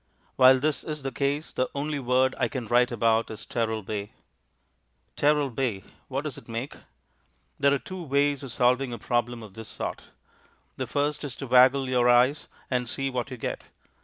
While this is the case, the only word I can write about is Teralbay. Teralbay what does it make? There are two ways of solving a problem of this sort. The first is to waggle your eyes and see what you get.